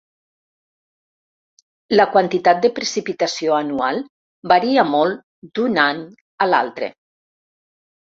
La quantitat de precipitació anual varia molt d"un any a l"altre.